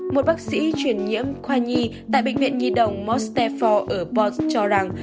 một bác sĩ chuyển nhiễm khoa nhi tại bệnh viện nhi đồng mostepho ở boston cho rằng